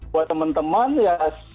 buat teman teman ya